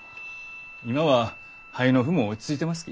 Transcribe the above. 今は肺の腑も落ち着いてますき。